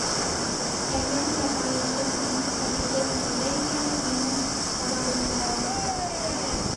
Әгәр ҙә байлығым уның әжерен түләй икән, минең карабымды ал.